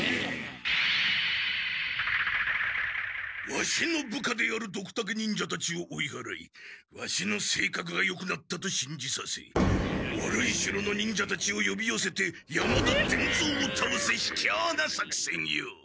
ワシの部下であるドクタケ忍者たちを追いはらいワシのせいかくがよくなったとしんじさせ悪い城の忍者たちをよびよせて山田伝蔵をたおすひきょうなさくせんよ！